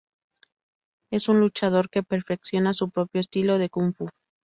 Es un luchador que perfecciona su propio estilo de Kung-fu.